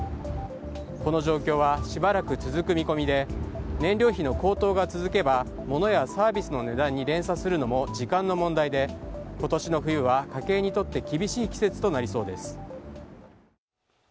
この状況はしばらく続く見込みで、燃料費の高騰が続けばモノやサービスの値段に連鎖するのも時間の問題で今年の冬は家計にとって厳しい季節となりそうです。